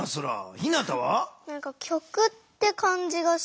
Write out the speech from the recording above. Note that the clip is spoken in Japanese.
ひなたは？